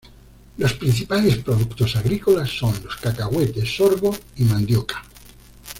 Las principales productos agrícolas son los cacahuetes, sorgo y mandioca.